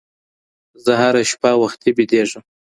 زه هره شپه وختي بېدېږم.